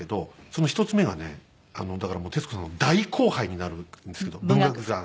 その１つ目がねだからもう徹子さんの大後輩になるんですけど文学座なんですよ。